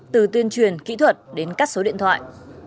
từ tuyên truyền kỹ thuật đến các số điện thoại